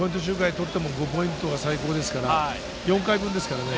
取っても５ポイントが最高ですから、４回分ですからね。